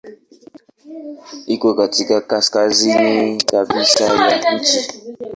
Iko katika kaskazini kabisa ya nchi.